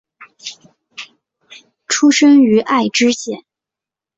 出身于爱知县。